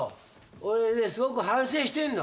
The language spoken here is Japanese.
俺ねすごく反省してんの。